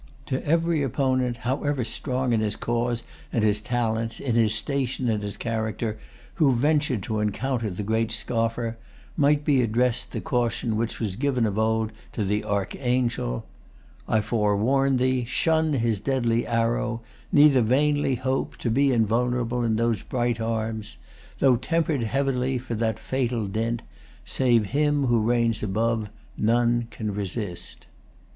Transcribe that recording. To every opponent, however strong in his cause and his talents, in his station and his character, who ventured to encounter the great scoffer, might be addressed the caution which was given of old to the Archangel:— "I forewarn thee, shun His deadly arrow; neither vainly hope To be invulnerable in those bright arms, Though temper'd heavenly; for that fatal dint, Save Him who reigns above, none can resist."